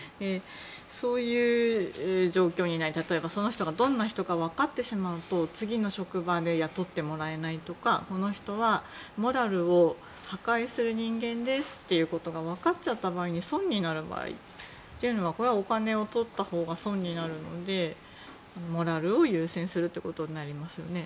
そういう状況になって例えば、その人がどんな人か分かってしまうと次の職場で雇ってもらえないとか、この人はモラルを破壊する人間ですって分かっちゃった場合に損になる場合というのはこれはお金をとったほうが損になるのでモラルを優先することになりますよね。